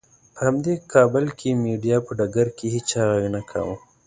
په همدې کابل کې مېډیا په ډګر کې هېچا غږ نه کاوه.